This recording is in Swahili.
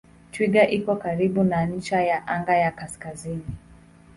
Twiga iko karibu na ncha ya anga ya kaskazini.